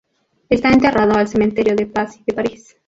Está enterrado al cementerio de Passy de París.